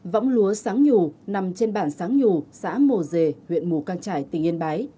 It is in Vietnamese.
võng lúa sáng nhủ nằm trên bản sáng nhù xã mồ dề huyện mù căng trải tỉnh yên bái